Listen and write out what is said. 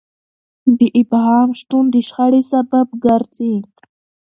د ابهام شتون د شخړې سبب ګرځي.